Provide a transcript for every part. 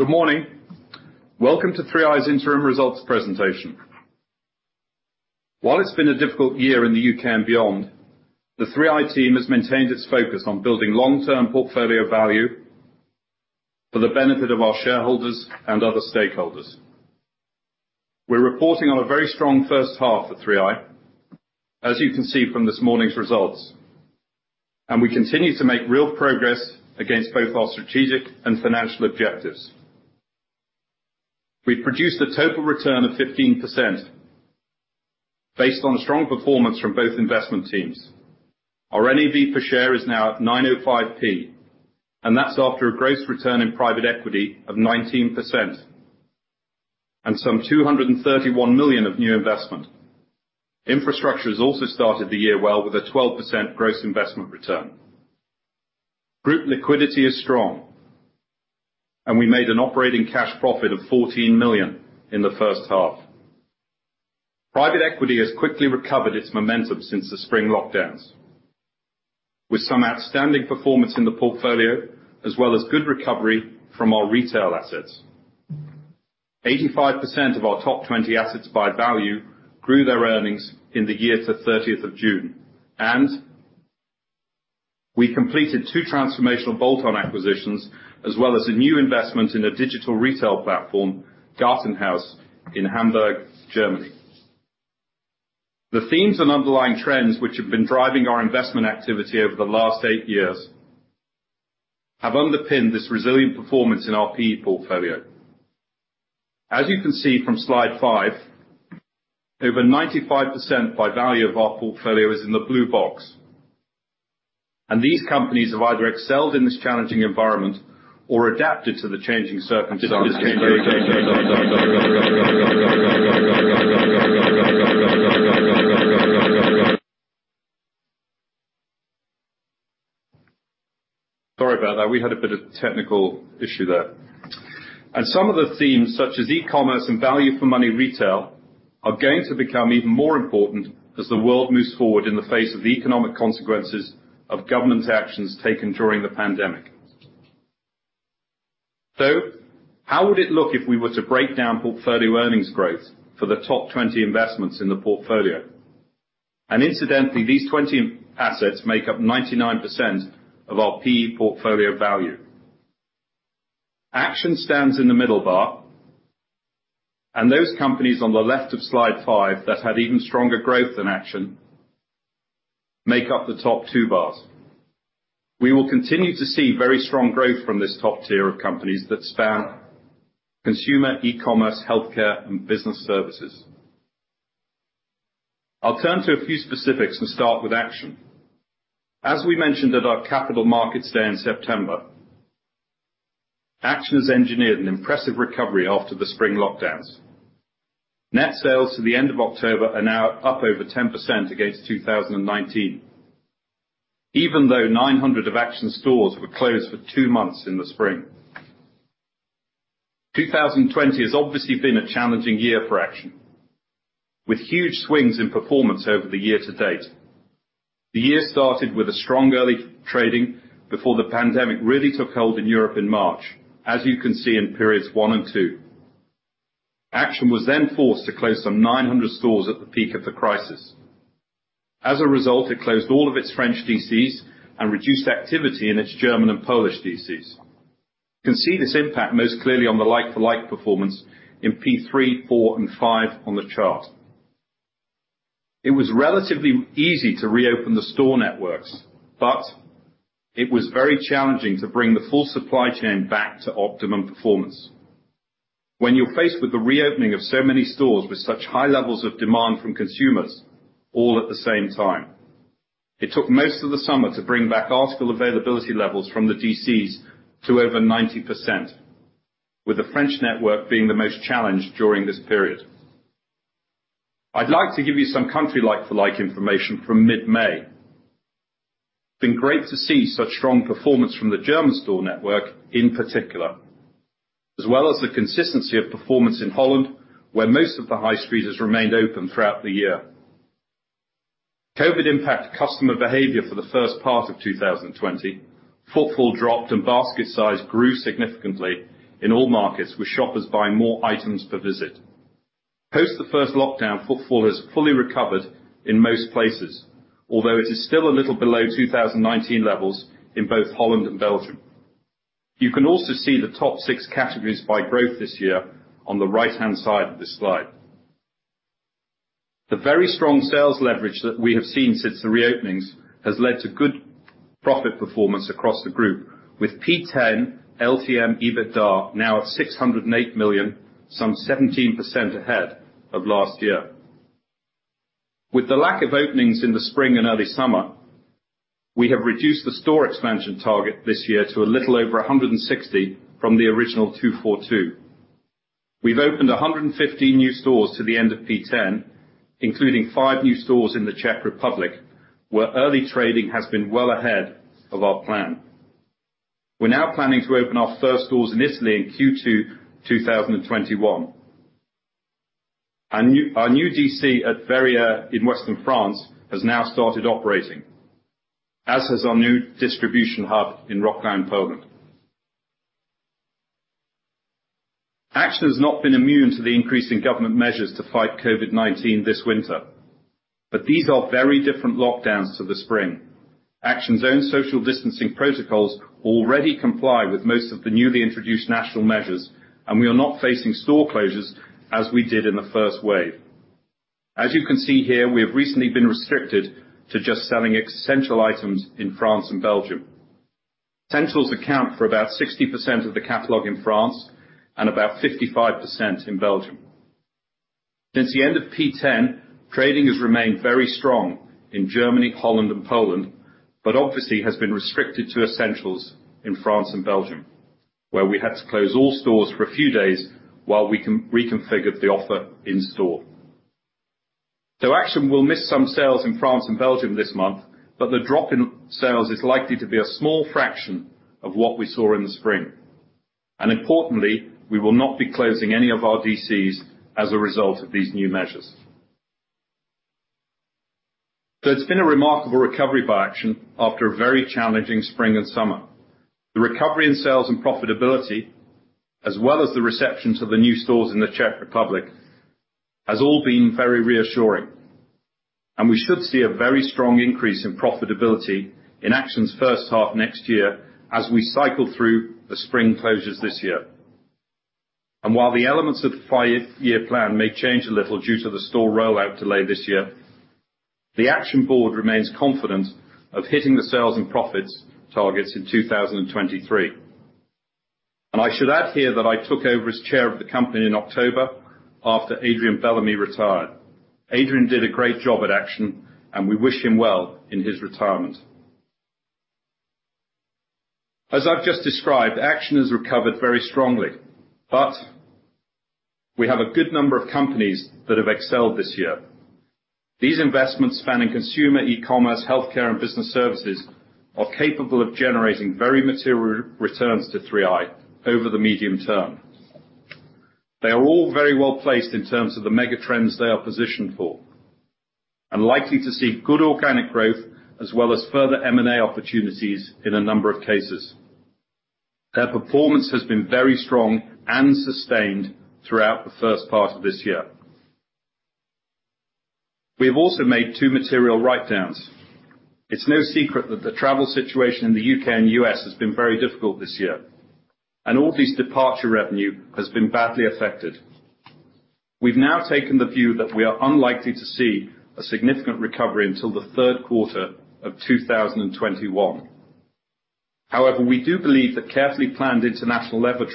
Good morning. Welcome to 3i's Interim Results Presentation. While it's been a difficult year in the U.K. and beyond, the 3i team has maintained its focus on building long-term portfolio value for the benefit of our shareholders and other stakeholders. We're reporting on a very strong first half at 3i, as you can see from this morning's results, and we continue to make real progress against both our strategic and financial objectives. We've produced a total return of 15%, based on a strong performance from both investment teams. Our NAV per share is now at 905p, and that's after a gross return in private equity of 19%, and some 231 million of new investment. Infrastructure has also started the year well, with a 12% gross investment return. Group liquidity is strong, and we made an operating cash profit of 14 million in the first half. Private equity has quickly recovered its momentum since the spring lockdowns, with some outstanding performance in the portfolio, as well as good recovery from our retail assets. 85% of our top 20 assets by value grew their earnings in the year to 30th of June, and we completed two transformational bolt-on acquisitions, as well as a new investment in a digital retail platform, GartenHaus, in Hamburg, Germany. The themes and underlying trends which have been driving our investment activity over the last eight years have underpinned this resilient performance in our PE portfolio. As you can see from slide five, over 95% by value of our portfolio is in the blue box, and these companies have either excelled in this challenging environment or adapted to the changing circumstances. Sorry about that. We had a bit of technical issue there. Some of the themes, such as e-commerce and value for money retail, are going to become even more important as the world moves forward in the face of the economic consequences of government actions taken during the pandemic. How would it look if we were to break down portfolio earnings growth for the top 20 investments in the portfolio? Incidentally, these 20 assets make up 99% of our PE portfolio value. Action stands in the middle bar, and those companies on the left of slide five that had even stronger growth than Action make up the top two bars. We will continue to see very strong growth from this top tier of companies that span consumer, e-commerce, healthcare, and business services. I'll turn to a few specifics and start with Action. As we mentioned at our capital markets day in September, Action has engineered an impressive recovery after the spring lockdowns. Net sales to the end of October are now up over 10% against 2019, even though 900 of Action's stores were closed for two months in the spring. 2020 has obviously been a challenging year for Action, with huge swings in performance over the year to date. The year started with a strong early trading before the pandemic really took hold in Europe in March, as you can see in periods one and two. Action was forced to close some 900 stores at the peak of the crisis. As a result, it closed all of its French DCs and reduced activity in its German and Polish DCs. You can see this impact most clearly on the like-for-like performance in P3, P4, and P5 on the chart. It was relatively easy to reopen the store networks, but it was very challenging to bring the full supply chain back to optimum performance when you're faced with the reopening of so many stores with such high levels of demand from consumers all at the same time. It took most of the summer to bring back article availability levels from the DCs to over 90%, with the French network being the most challenged during this period. I'd like to give you some country like-for-like information from mid-May. It's been great to see such strong performance from the German store network in particular, as well as the consistency of performance in Holland, where most of the high street has remained open throughout the year. COVID impacted customer behavior for the first part of 2020. Footfall dropped and basket size grew significantly in all markets, with shoppers buying more items per visit. Post the first lockdown, footfall has fully recovered in most places, although it is still a little below 2019 levels in both Holland and Belgium. You can also see the top six categories by growth this year on the right-hand side of this slide. The very strong sales leverage that we have seen since the re-openings has led to good profit performance across the group, with P10 LTM EBITDA now at 608 million, some 17% ahead of last year. With the lack of openings in the spring and early summer, we have reduced the store expansion target this year to a little over 160 from the original 242. We've opened 115 new stores to the end of P10, including five new stores in the Czech Republic, where early trading has been well ahead of our plan. We're now planning to open our first stores in Italy in Q2 2021. Our new DC at Verrières in Western France has now started operating, as has our new distribution hub in Rokitno, Poland. Action has not been immune to the increasing government measures to fight COVID-19 this winter, but these are very different lockdowns to the spring. Action's own social distancing protocols already comply with most of the newly introduced national measures, and we are not facing store closures as we did in the first wave. As you can see here, we have recently been restricted to just selling essential items in France and Belgium. Essentials account for about 60% of the catalog in France and about 55% in Belgium. Since the end of P10, trading has remained very strong in Germany, Holland, and Poland, but obviously has been restricted to essentials in France and Belgium, where we had to close all stores for a few days while we reconfigured the offer in store. Action will miss some sales in France and Belgium this month, but the drop in sales is likely to be a small fraction of what we saw in the spring. Importantly, we will not be closing any of our DCs as a result of these new measures. It's been a remarkable recovery by Action after a very challenging spring and summer. The recovery in sales and profitability, as well as the reception to the new stores in the Czech Republic, has all been very reassuring, and we should see a very strong increase in profitability in Action's first half next year as we cycle through the spring closures this year. While the elements of the five-year plan may change a little due to the store rollout delay this year, the Action board remains confident of hitting the sales and profits targets in 2023. I should add here that I took over as chair of the company in October after Adrian Bellamy retired. Adrian did a great job at Action, and we wish him well in his retirement. As I've just described, Action has recovered very strongly, but we have a good number of companies that have excelled this year. These investments spanning consumer, e-commerce, healthcare, and business services are capable of generating very material returns to 3i over the medium term. They are all very well placed in terms of the mega trends they are positioned for and likely to see good organic growth as well as further M&A opportunities in a number of cases. Their performance has been very strong and sustained throughout the first part of this year. We have also made two material write-downs. It's no secret that the travel situation in the U.K. and U.S. has been very difficult this year, and Audley's departure revenue has been badly affected. We've now taken the view that we are unlikely to see a significant recovery until the third quarter of 2021. However, we do believe that carefully planned international level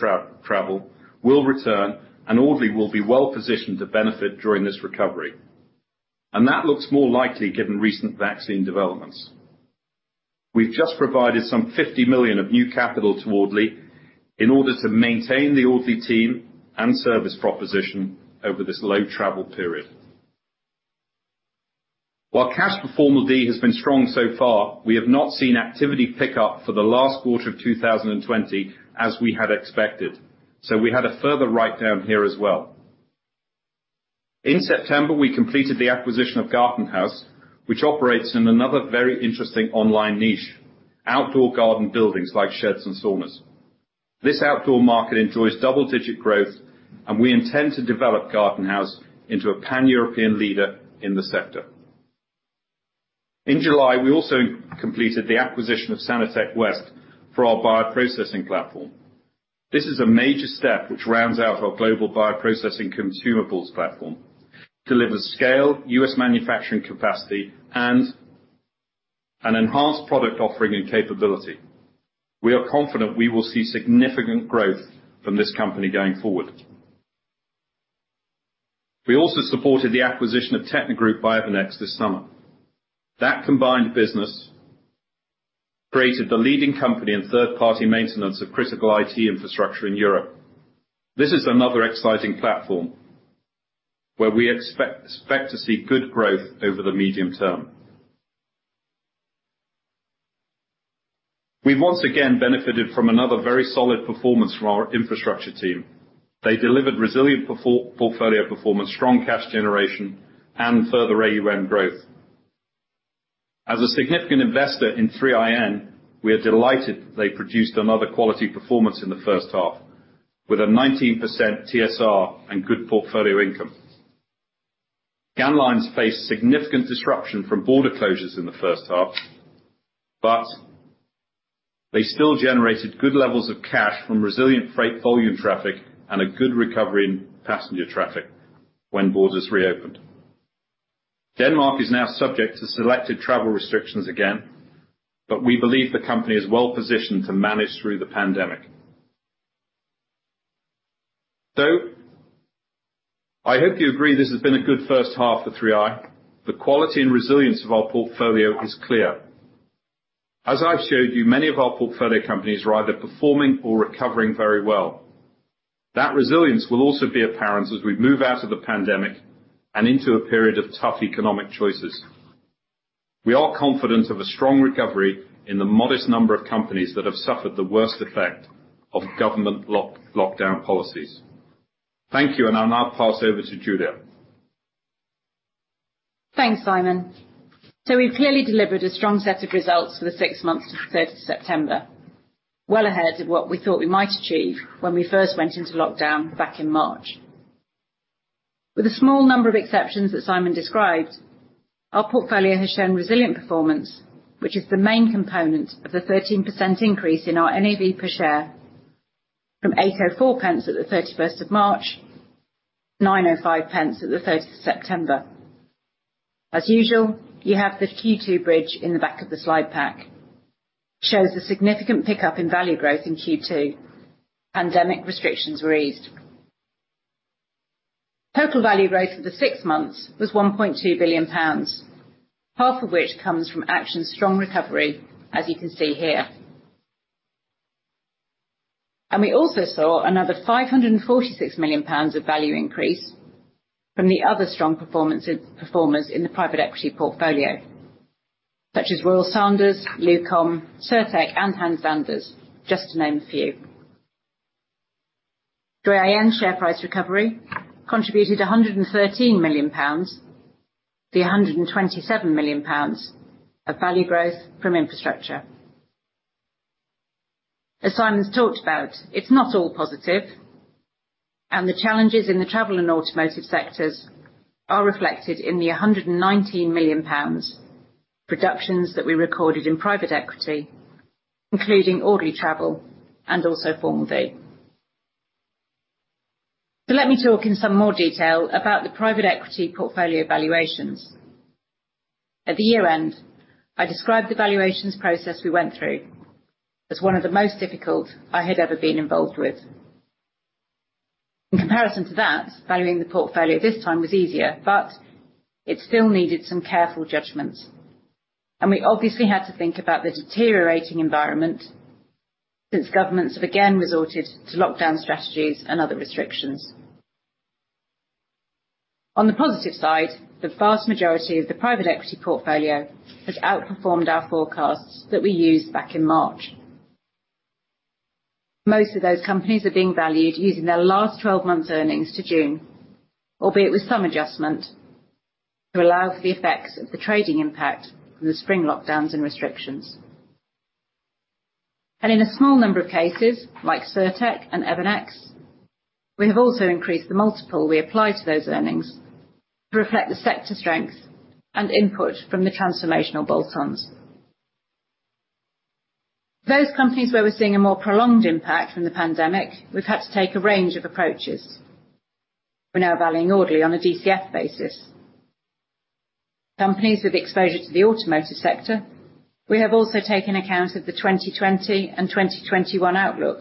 travel will return, and Audley will be well positioned to benefit during this recovery. That looks more likely given recent vaccine developments. We've just provided some 50 million of new capital to Audley in order to maintain the Audley team and service proposition over this low travel period. While cash for Formel D has been strong so far, we have not seen activity pick up for the last quarter of 2020 as we had expected. We had a further write-down here as well. In September, we completed the acquisition of GartenHaus, which operates in another very interesting online niche, outdoor garden buildings like sheds and saunas. This outdoor market enjoys double-digit growth, and we intend to develop GartenHaus into a Pan-European leader in the sector. In July, we also completed the acquisition of Sani-Tech West for our bioprocessing platform. This is a major step which rounds out our global bioprocessing consumables platform, delivers scale, U.S. manufacturing capacity, and an enhanced product offering and capability. We are confident we will see significant growth from this company going forward. We also supported the acquisition of Technogroup by Evernex this summer. That combined business created the leading company in third-party maintenance of critical IT infrastructure in Europe. This is another exciting platform where we expect to see good growth over the medium term. We've once again benefited from another very solid performance from our infrastructure team. They delivered resilient portfolio performance, strong cash generation, and further AUM growth. As a significant investor in 3iN, we are delighted that they produced another quality performance in the first half with a 19% TSR and good portfolio income. Scandlines faced significant disruption from border closures in the first half, but they still generated good levels of cash from resilient freight volume traffic and a good recovery in passenger traffic when borders reopened. Denmark is now subject to selected travel restrictions again, but we believe the company is well positioned to manage through the pandemic. I hope you agree this has been a good first half for 3i. The quality and resilience of our portfolio is clear. As I've showed you, many of our portfolio companies are either performing or recovering very well. That resilience will also be apparent as we move out of the pandemic and into a period of tough economic choices. We are confident of a strong recovery in the modest number of companies that have suffered the worst effect of government lockdown policies. Thank you, and I'll now pass over to Julia. Thanks, Simon. We've clearly delivered a strong set of results for the six months to the 30th of September. Well ahead of what we thought we might achieve when we first went into lockdown back in March. With a small number of exceptions that Simon described, our portfolio has shown resilient performance, which is the main component of the 13% increase in our NAV per share from 8.04 at the 31st of March, 9.05 at the 30th of September. As usual, you have the Q2 bridge in the back of the slide pack. Shows a significant pickup in value growth in Q2. Pandemic restrictions were eased. Total value growth for the six months was 1.2 billion pounds, half of which comes from Action's strong recovery, as you can see here. We also saw another 546 million pounds of value increase from the other strong performers in the private equity portfolio, such as Royal Sanders, Luqom, Cirtec and Hans Anders, just to name a few. 3iN's share price recovery contributed 113 million pounds, the 127 million pounds of value growth from infrastructure. As Simon's talked about, it's not all positive, and the challenges in the travel and automotive sectors are reflected in the GBP 119 million reductions that we recorded in private equity, including Audley Travel and also Formel D. Let me talk in some more detail about the private equity portfolio valuations. At the year-end, I described the valuations process we went through as one of the most difficult I had ever been involved with. In comparison to that, valuing the portfolio this time was easier, but it still needed some careful judgments. We obviously had to think about the deteriorating environment since governments have again resorted to lockdown strategies and other restrictions. On the positive side, the vast majority of the private equity portfolio has outperformed our forecasts that we used back in March. Most of those companies are being valued using their last 12 months earnings to June, albeit with some adjustment to allow for the effects of the trading impact from the spring lockdowns and restrictions. In a small number of cases, like Cirtec and Evernex, we have also increased the multiple we apply to those earnings to reflect the sector strength and input from the transformational bolt-ons. Those companies where we're seeing a more prolonged impact from the pandemic, we've had to take a range of approaches. We're now valuing Audley on a DCF basis. Companies with exposure to the automotive sector, we have also taken account of the 2020 and 2021 outlook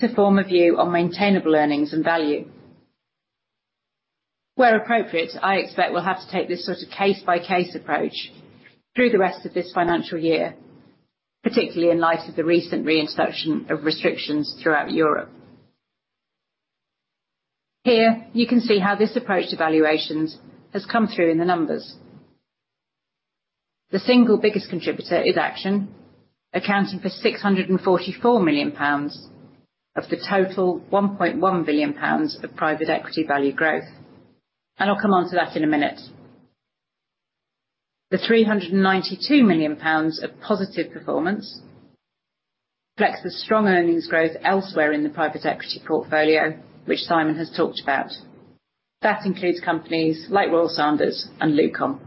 to form a view on maintainable earnings and value. Where appropriate, I expect we'll have to take this sort of case-by-case approach through the rest of this financial year, particularly in light of the recent reinsertion of restrictions throughout Europe. Here, you can see how this approach to valuations has come through in the numbers. The single biggest contributor is Action, accounting for 644 million pounds of the total 1.1 billion pounds of private equity value growth. I'll come onto that in a minute. The 392 million pounds of positive performance reflects the strong earnings growth elsewhere in the private equity portfolio, which Simon has talked about. That includes companies like Royal Sanders and Luqom.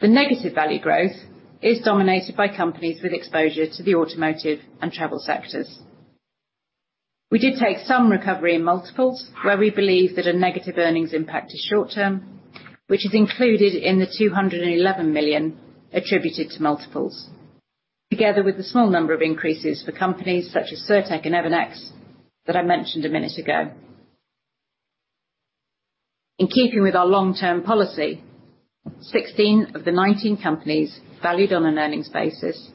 The negative value growth is dominated by companies with exposure to the automotive and travel sectors. We did take some recovery in multiples where we believe that a negative earnings impact is short-term, which is included in the 211 million attributed to multiples. Together with a small number of increases for companies such as Cirtec Medical and Evernex that I mentioned a minute ago. In keeping with our long-term policy, 16 of the 19 companies valued on an earnings basis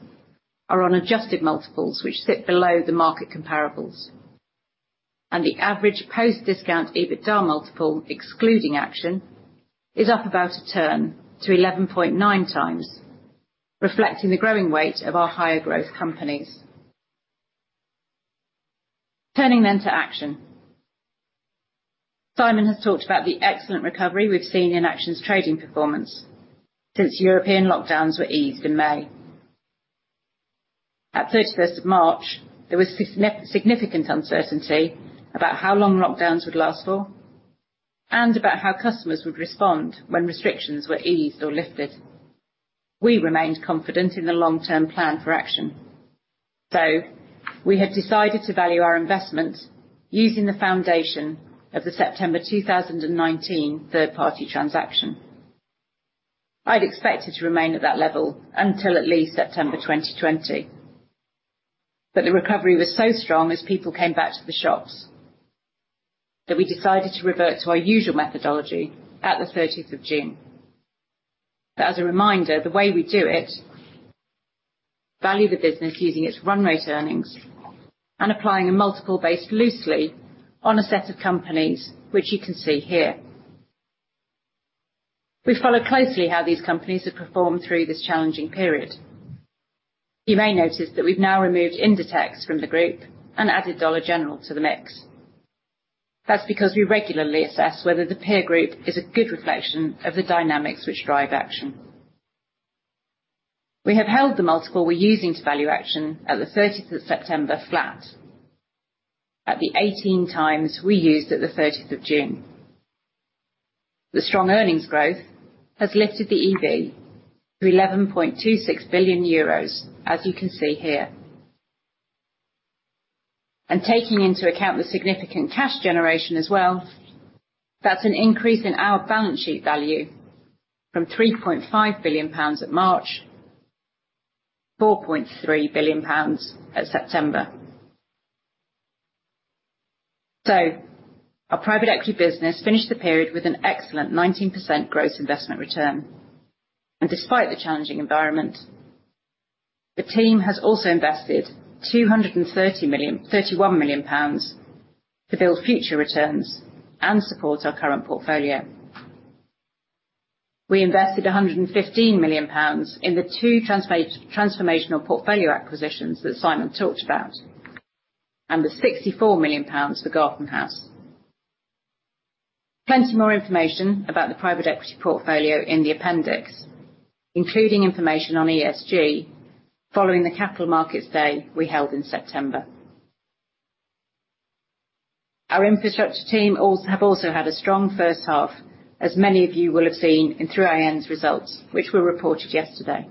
are on adjusted multiples, which sit below the market comparables. The average post-discount EBITDA multiple, excluding Action, is up about a turn to 11.9x, reflecting the growing weight of our higher growth companies. Turning to Action. Simon has talked about the excellent recovery we've seen in Action's trading performance since European lockdowns were eased in May. At 31st of March, there was significant uncertainty about how long lockdowns would last for and about how customers would respond when restrictions were eased or lifted. We remained confident in the long-term plan for Action. We had decided to value our investment using the foundation of the September 2019 third-party transaction. I'd expected to remain at that level until at least September 2020. The recovery was so strong as people came back to the shops, that we decided to revert to our usual methodology at the 30th of June. As a reminder, the way we do it, value the business using its run rate earnings and applying a multiple based loosely on a set of companies, which you can see here. We follow closely how these companies have performed through this challenging period. You may notice that we've now removed Inditex from the group and added Dollar General to the mix. That's because we regularly assess whether the peer group is a good reflection of the dynamics which drive Action. We have held the multiple we're using to value Action at the 30th of September flat, at the 18x we used at the 30th of June. The strong earnings growth has lifted the EV to 11.26 billion euros, as you can see here. Taking into account the significant cash generation as well, that's an increase in our balance sheet value from 3.5 billion pounds at March, 4.3 billion pounds at September. Our private equity business finished the period with an excellent 19% gross investment return. Despite the challenging environment, the team has also invested 231 million to build future returns and support our current portfolio. We invested 115 million pounds in the two transformational portfolio acquisitions that Simon talked about, and with 64 million pounds for GartenHaus. Plenty more information about the private equity portfolio in the appendix, including information on ESG following the capital markets day we held in September. Our infrastructure team have also had a strong first half, as many of you will have seen through 3iN's results, which were reported yesterday.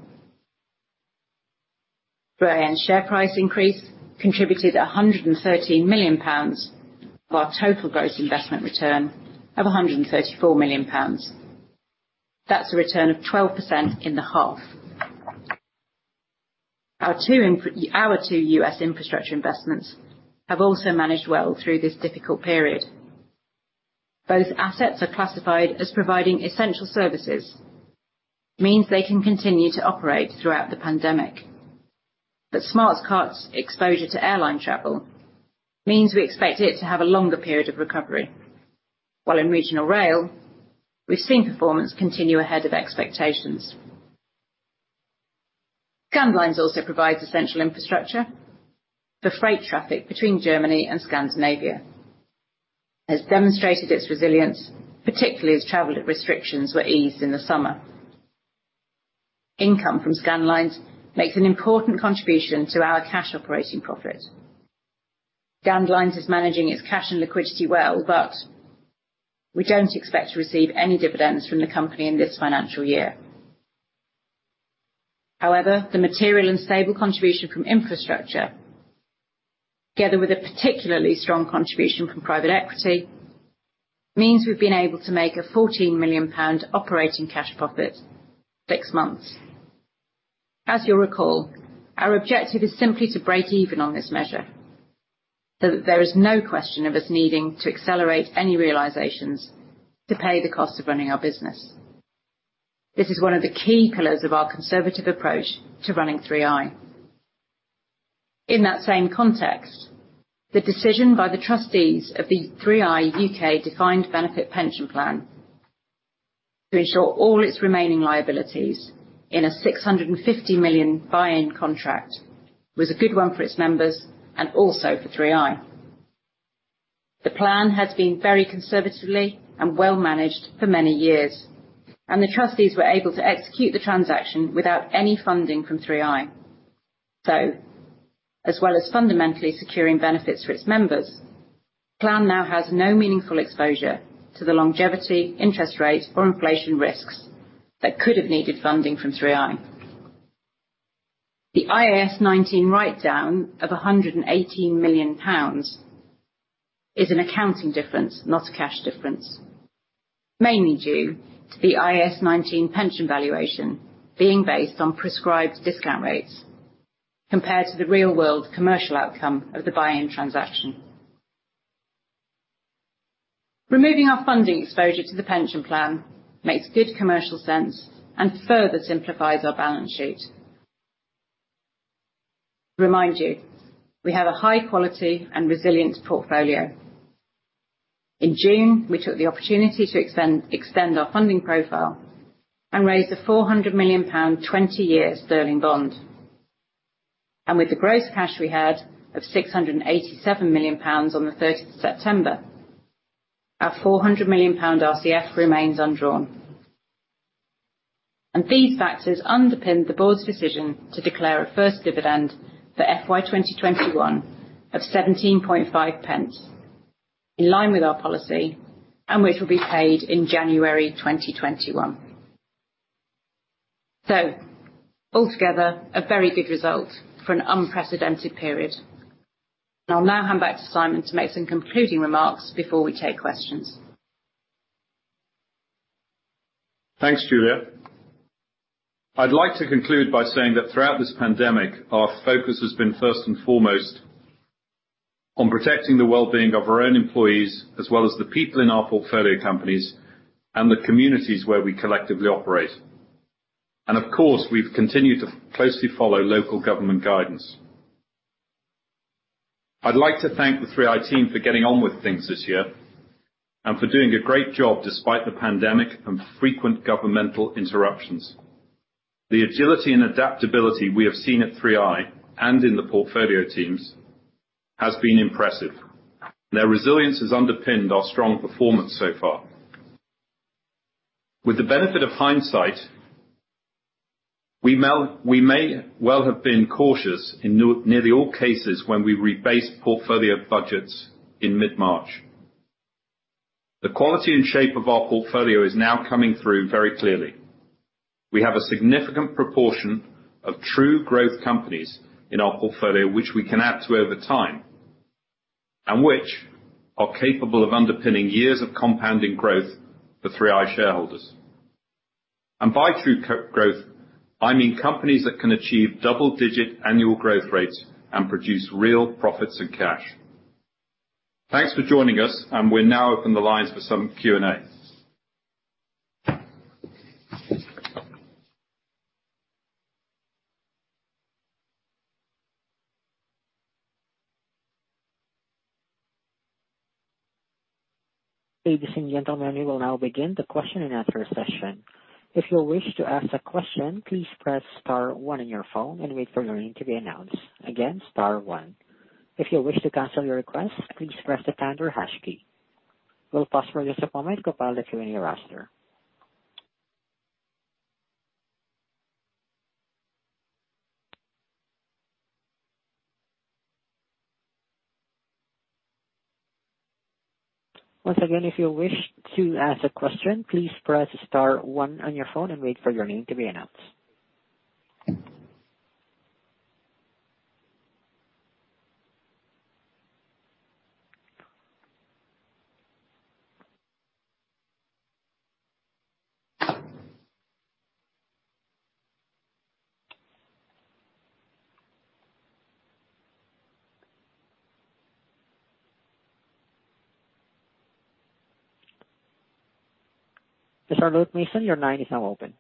3iN's share price increase contributed 113 million pounds of our total gross investment return of 134 million pounds. That's a return of 12% in the half. Our two U.S. infrastructure investments have also managed well through this difficult period. Both assets are classified as providing essential services. It means they can continue to operate throughout the pandemic. Smarte Carte's exposure to airline travel means we expect it to have a longer period of recovery. While in regional rail, we've seen performance continue ahead of expectations. Scandlines also provides essential infrastructure for freight traffic between Germany and Scandinavia. It has demonstrated its resilience, particularly as travel restrictions were eased in the summer. Income from Scandlines makes an important contribution to our cash operating profit. Scandlines is managing its cash and liquidity well, but we don't expect to receive any dividends from the company in this financial year. However, the material and stable contribution from infrastructure, together with a particularly strong contribution from private equity, means we've been able to make a 14 million pound operating cash profit six months. As you'll recall, our objective is simply to break even on this measure, so that there is no question of us needing to accelerate any realizations to pay the cost of running our business. This is one of the key pillars of our conservative approach to running 3i. In that same context, the decision by the trustees of the 3i U.K. Pension Plan to insure all its remaining liabilities in a 650 million buy-in contract was a good one for its members and also for 3i. The plan has been very conservatively and well managed for many years, and the trustees were able to execute the transaction without any funding from 3i. As well as fundamentally securing benefits for its members, the plan now has no meaningful exposure to the longevity, interest rates or inflation risks that could have needed funding from 3i. The IAS 19 write-down of 118 million pounds is an accounting difference, not a cash difference, mainly due to the IAS 19 pension valuation being based on prescribed discount rates compared to the real-world commercial outcome of the buy-in transaction. Removing our funding exposure to the pension plan makes good commercial sense and further simplifies our balance sheet. To remind you, we have a high quality and resilient portfolio. In June, we took the opportunity to extend our funding profile and raised a 400 million pound, 20-year sterling bond. With the gross cash we had of 687 million pounds on the 30th of September, our 400 million pound RCF remains undrawn. These factors underpinned the board's decision to declare a first dividend for FY 2021 of 0.175, in line with our policy, and which will be paid in January 2021. Altogether, a very good result for an unprecedented period. I'll now hand back to Simon to make some concluding remarks before we take questions. Thanks, Julia. I'd like to conclude by saying that throughout this pandemic, our focus has been first and foremost on protecting the well-being of our own employees, as well as the people in our portfolio companies and the communities where we collectively operate. Of course, we've continued to closely follow local government guidance. I'd like to thank the 3i team for getting on with things this year, and for doing a great job despite the pandemic and frequent governmental interruptions. The agility and adaptability we have seen at 3i, and in the portfolio teams, has been impressive. Their resilience has underpinned our strong performance so far. With the benefit of hindsight, we may well have been cautious in nearly all cases when we rebased portfolio budgets in mid-March. The quality and shape of our portfolio is now coming through very clearly. We have a significant proportion of true growth companies in our portfolio, which we can add to over time, and which are capable of underpinning years of compounding growth for 3i shareholders. By true growth, I mean companies that can achieve double-digit annual growth rates and produce real profits and cash. Thanks for joining us. We'll now open the lines for some Q and A. Ladies and gentlemen, we will now begin the question and answer session. If you wish to ask a question, please press star one on your phone and wait for your name to be announced. Again, star one. If you wish to cancel your request, please press the pound or hash key. We'll pause for just a moment to compile the Q and A roster. Once again, if you wish to ask a question, please press star one on your phone and wait for your name to be announced. Luke Mason, your line is now open.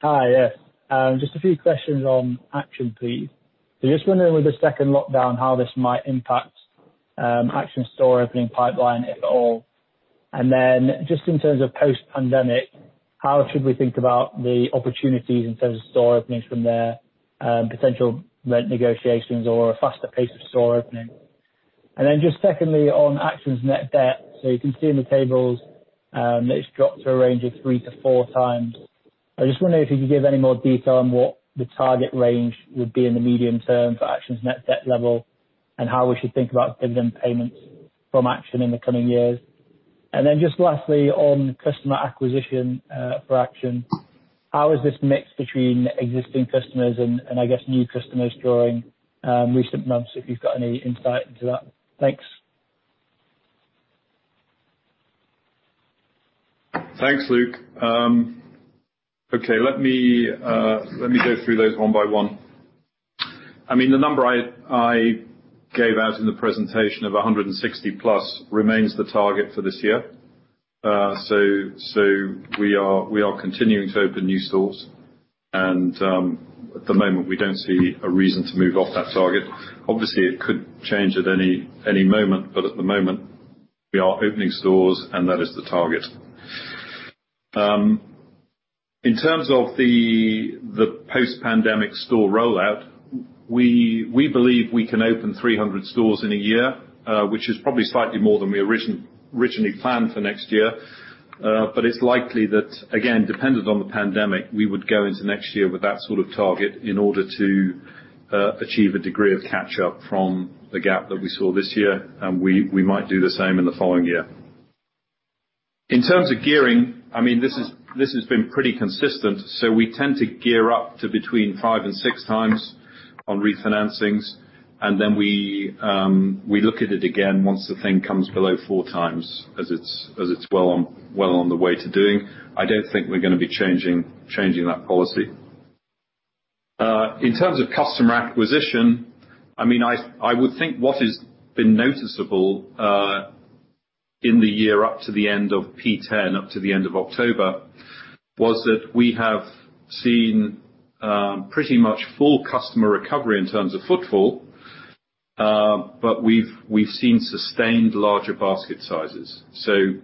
Hi, yes. Just a few questions on Action, please. Just wondering with the second lockdown how this might impact Action store opening pipeline, if at all. Just in terms of post pandemic, how should we think about the opportunities in terms of store openings from there, potential rent negotiations or a faster pace of store opening? Just secondly, on Action's net debt. You can see in the tables, that it's dropped to a range of three to four times. I just wonder if you could give any more detail on what the target range would be in the medium term for Action's net debt level, and how we should think about dividend payments from Action in the coming years. Just lastly, on customer acquisition for Action, how is this mix between existing customers and I guess new customers during recent months, if you've got any insight into that? Thanks. Thanks, Luke. Okay. Let me go through those one by one. The number I gave out in the presentation of 160+ remains the target for this year. We are continuing to open new stores. At the moment, we don't see a reason to move off that target. Obviously, it could change at any moment, but at the moment, we are opening stores, and that is the target. In terms of the post-pandemic store rollout, we believe we can open 300 stores in a year, which is probably slightly more than we originally planned for next year. It's likely that, again, dependent on the pandemic, we would go into next year with that sort of target in order to achieve a degree of catch-up from the gap that we saw this year. We might do the same in the following year. In terms of gearing, this has been pretty consistent. We tend to gear up to between five and six times on re-financings, and then we look at it again once the thing comes below four times, as it's well on the way to doing. I don't think we're going to be changing that policy. In terms of customer acquisition, I would think what has been noticeable in the year up to the end of P10, up to the end of October, was that we have seen pretty much full customer recovery in terms of footfall. We've seen sustained larger basket sizes.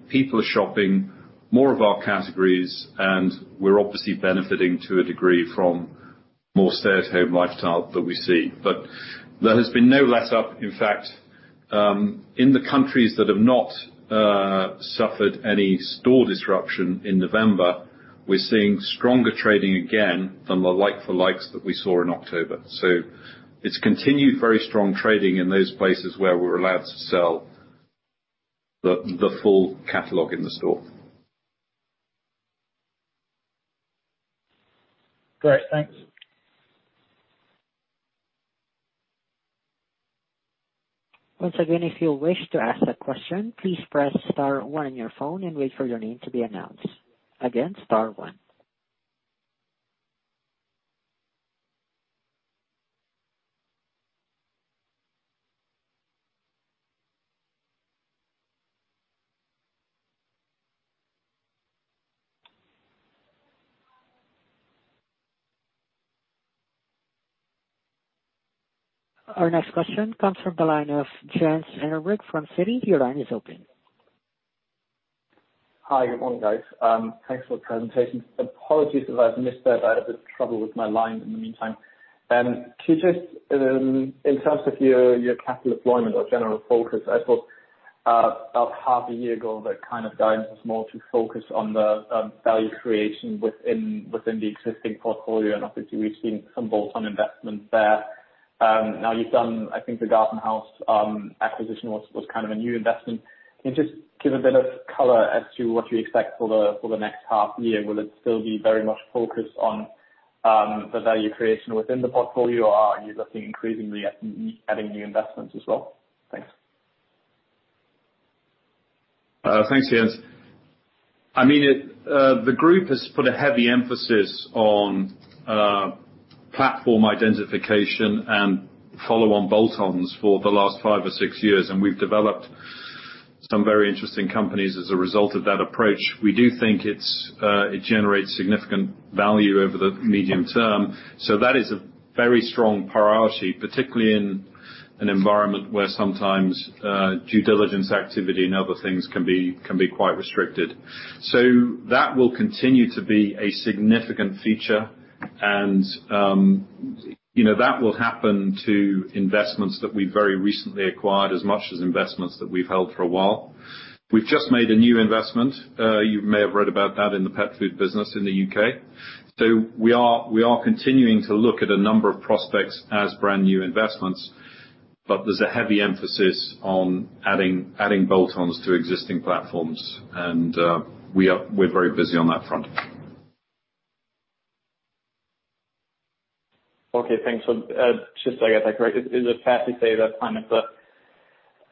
People are shopping more of our categories, and we're obviously benefiting to a degree from more stay-at-home lifestyle that we see. There has been no letup. In the countries that have not suffered any store disruption in November, we're seeing stronger trading again than the like-for-like that we saw in October. It's continued very strong trading in those places where we're allowed to sell the full catalog in the store. Great. Thanks. Once again, if you wish to ask a question, please press star one on your phone and wait for your name to be announced. Again, star one. Our next question comes from the line of Jens Henrik from Citi. Your line is open. Hi. Good morning, guys. Thanks for the presentation. Apologies if I've missed a bit. I had a bit of trouble with my line in the meantime. Can you just, in terms of your capital deployment or general focus, I thought about half a year ago, that kind of guidance was more to focus on the value creation within the existing portfolio, and obviously we've seen some bolt-on investments there. Now you've done, I think the GartenHaus acquisition was kind of a new investment. Can you just give a bit of color as to what you expect for the next half year? Will it still be very much focused on the value creation within the portfolio? Or are you looking increasingly at adding new investments as well? Thanks. Thanks, Jens. The group has put a heavy emphasis on platform identification and follow-on bolt-ons for the last five or six years, and we've developed some very interesting companies as a result of that approach. That is a very strong priority, particularly in an environment where sometimes due diligence activity and other things can be quite restricted. That will continue to be a significant feature and that will happen to investments that we very recently acquired as much as investments that we've held for a while. We've just made a new investment. You may have read about that in the pet food business in the U.K. We are continuing to look at a number of prospects as brand new investments, but there's a heavy emphasis on adding bolt-ons to existing platforms. We're very busy on that front. Okay. Thanks. Just so I get that correct, is it fair to say that kind of the,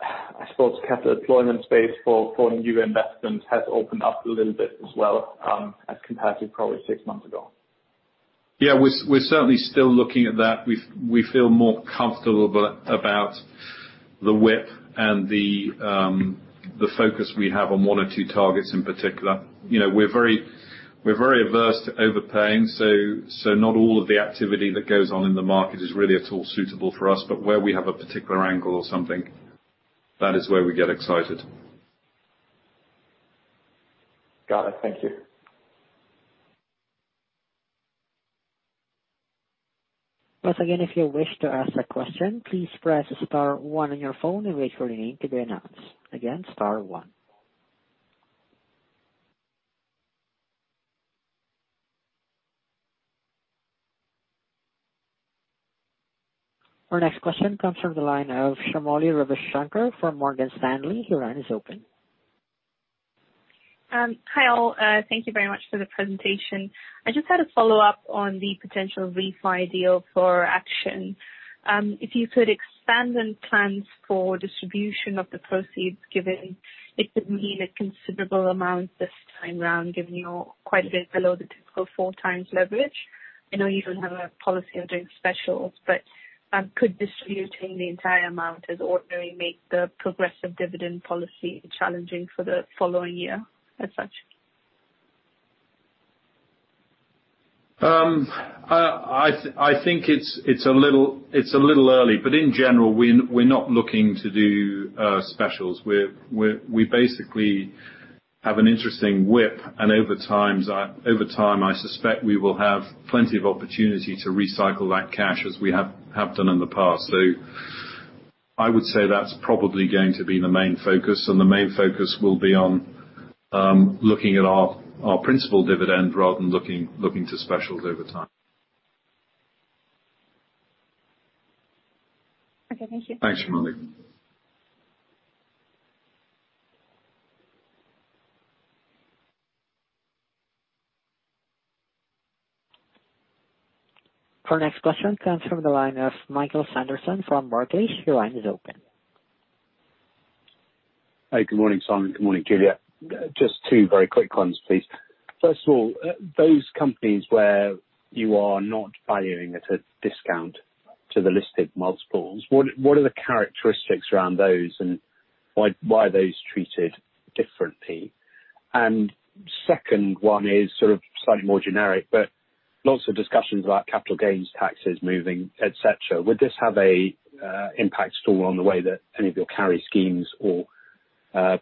I suppose, capital deployment space for new investments has opened up a little bit as well, as compared to probably six months ago? Yeah, we're certainly still looking at that. We feel more comfortable about the grip and the focus we have on one or two targets in particular. We're very averse to overpaying, so not all of the activity that goes on in the market is really at all suitable for us. Where we have a particular angle or something, that is where we get excited. Got it. Thank you. Once again, if you wish to ask a question, please press star one on your phone and wait for your name to be announced. Again, star one. Our next question comes from the line of Shamoli Ravishanker from Morgan Stanley. Your line is open. Hi, all. Thank you very much for the presentation. I just had a follow-up on the potential refi deal for Action. If you could expand on plans for distribution of the proceeds, given it could mean a considerable amount this time around, given you're quite a bit below the typical four times leverage. Could distributing the entire amount as ordinary make the progressive dividend policy challenging for the following year as such? I think it's a little early. In general, we're not looking to do specials. We basically have an interesting WIP and over time, I suspect we will have plenty of opportunity to recycle that cash as we have done in the past. I would say that's probably going to be the main focus, and the main focus will be on looking at our principal dividend rather than looking to specials over time. Okay. Thank you. Thanks, Shamoli. Our next question comes from the line of Michael Sanderson from Barclays. Your line is open. Hey. Good morning, Simon. Good morning, Julia. Just two very quick ones, please. First of all, those companies where you are not valuing at a discount to the listed multiples, what are the characteristics around those, and why are those treated differently? Second one is sort of slightly more generic, but lots of discussions about capital gains, taxes moving, et cetera. Would this have a impact at all on the way that any of your carry schemes or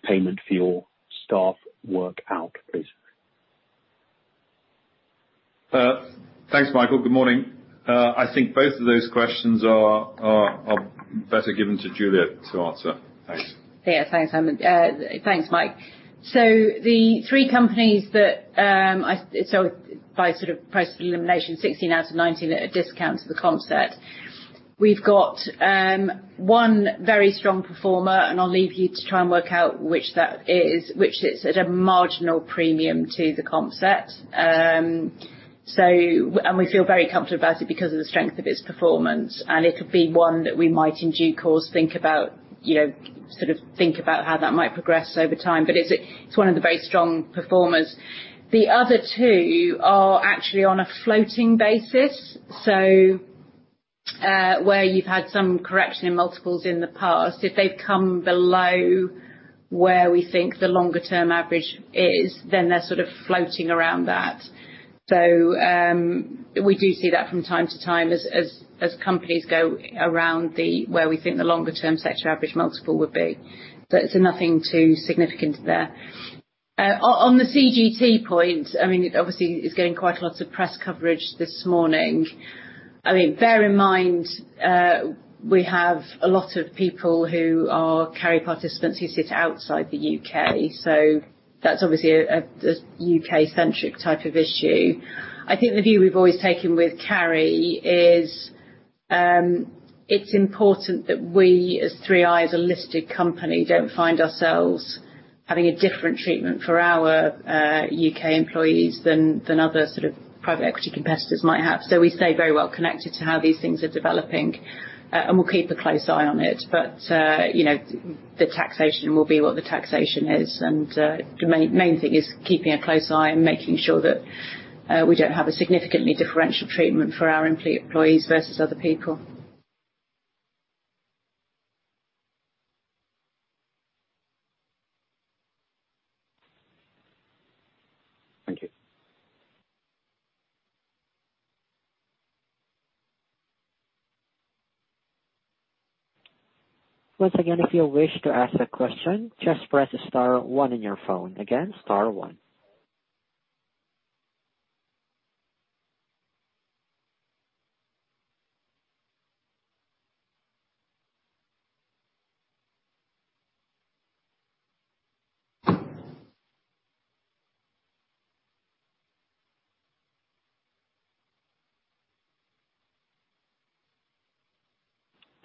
payment for your staff work out, please? Thanks, Michael. Good morning. I think both of those questions are better given to Julia to answer. Thanks. Yeah. Thanks, Simon. Thanks, Mike. The three companies that by sort of process of elimination, 16 out of 19 at a discount to the concept. We've got one very strong performer, and I'll leave you to try and work out which that is, which sits at a marginal premium to the concept. We feel very comfortable about it because of the strength of its performance, and it could be one that we might, in due course, think about how that might progress over time. It's one of the very strong performers. The other two are actually on a floating basis, where you've had some correction in multiples in the past, if they've come below where we think the longer-term average is, then they're sort of floating around that. We do see that from time to time as companies go around where we think the longer term sector average multiple would be. It's nothing too significant there. On the CGT point, obviously, it's getting quite a lot of press coverage this morning. Bear in mind, we have a lot of people who are Carry participants who sit outside the U.K., that's obviously a U.K.-centric type of issue. I think the view we've always taken with Carry is, it's important that we, as 3i, as a listed company, don't find ourselves having a different treatment for our U.K. employees than other sort of private equity competitors might have. We stay very well connected to how these things are developing, and we'll keep a close eye on it. The taxation will be what the taxation is, and the main thing is keeping a close eye and making sure that we don't have a significantly differential treatment for our employees versus other people. Thank you. Once again, if you wish to ask a question, just press star one on your phone. Again, star one.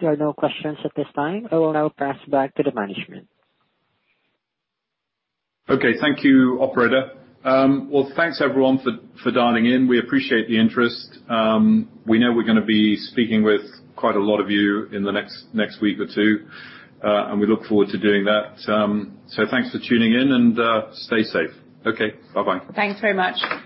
There are no questions at this time. I will now pass back to the management. Okay. Thank you, operator. Well, thanks everyone for dialing in. We appreciate the interest. We know we're going to be speaking with quite a lot of you in the next week or two, and we look forward to doing that. Thanks for tuning in and stay safe. Okay. Bye-bye. Thanks very much.